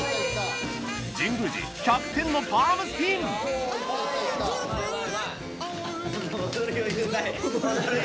神宮寺１００点のパームスピンボトル。